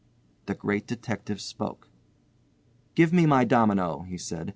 The Great Detective spoke. "Give me my domino," he said.